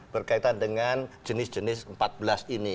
berkaitan dengan jenis jenis empat belas ini